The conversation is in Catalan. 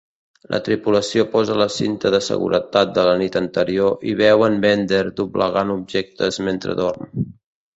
La tripulació posa la cinta de seguretat de la nit anterior i veuen Bender doblegant objectes mentre dorm.